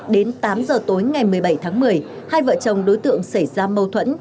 đến tám giờ tối ngày một mươi bảy tháng một mươi hai vợ chồng đối tượng xảy ra mâu thuẫn